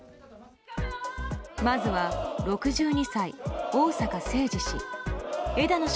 まずは６２歳、逢坂誠二氏。